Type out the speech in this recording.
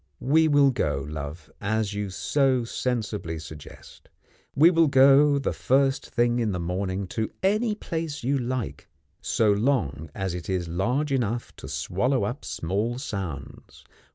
We will go, love as you so sensibly suggest we will go the first thing in the morning to any place you like, so long as it is large enough to swallow up small sounds.